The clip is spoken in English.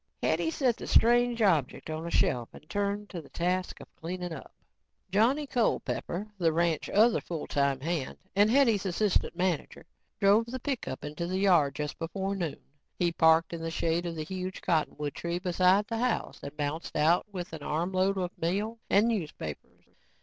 Hetty set the strange object on a shelf and turned to the task of cleaning up. Johnny Culpepper, the ranch's other full time hand and Hetty's assistant manager, drove the pickup into the yard just before noon. He parked in the shade of the huge cottonwood tree beside the house and bounced out with an armload of mail and newspapers.